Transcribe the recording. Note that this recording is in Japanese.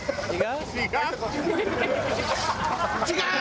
「違う？」